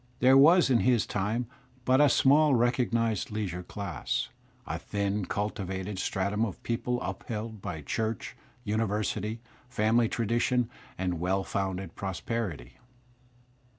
There was in his time but a small recognized leisiu*e dass, a thin cultivated stratum of people upheld by church, university, family tradition and well founded prosperity.